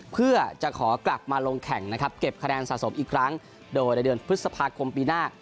เพื่อจะขอกลับมาลงแข่งนะครับเก็บคะแนนสะสมอีกครั้งโดยในเดือนพฤษภาคมปีหน้า